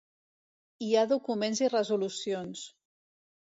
Hi ha documents i resolucions.